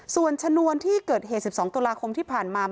ส่วนชนวนที่เกิดเหตุ๑๒ตุลาคมที่ผ่านมา